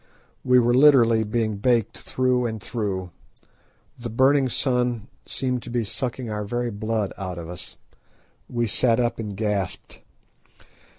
We were literally being baked through and through. The burning sun seemed to be sucking our very blood out of us. We sat up and gasped.